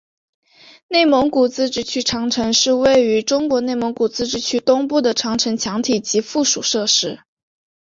内蒙古自治区长城是位于中国内蒙古自治区东部的长城墙体及附属设施。